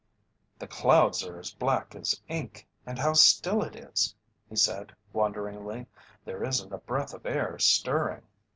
"The clouds are black as ink, and how still it is," he said, wonderingly. "There isn't a breath of air stirring."